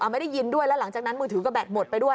ไม่ได้ยินด้วยแล้วหลังจากนั้นมือถือก็แดดหมดไปด้วย